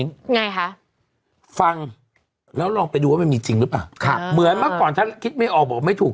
ไงคะฟังแล้วลองไปดูว่ามันมีจริงหรือเปล่าครับเหมือนเมื่อก่อนถ้าคิดไม่ออกบอกไม่ถูก